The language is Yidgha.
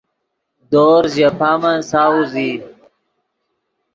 دورز ژے پامن ساؤز ای